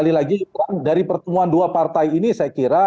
sekali lagi dari pertemuan dua partai ini saya kira